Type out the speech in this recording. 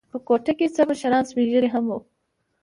په کوټه کې څه مشران سپین ږیري هم و.